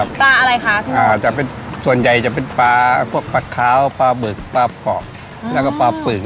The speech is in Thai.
อันนี้ต้มยำปลาปลาอะไรคะส่วนใหญ่จะเป็นปลาพัดเค้าปลาบึกปลาปอกแล้วก็ปลาปึ่ง